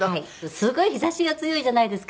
すごい日差しが強いじゃないですか。